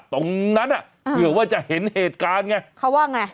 ตรงนั้นอ่ะเผื่อว่าจะเห็นเหตุการณ์ไงเขาว่าไง